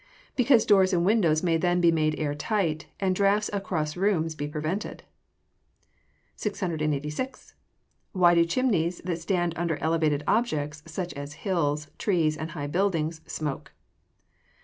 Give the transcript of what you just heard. _ Because doors and windows may then be made air tight, and draughts across rooms be prevented. 686. _Why do chimneys that stand under elevated objects, such as hills, trees, and high buildings, smoke?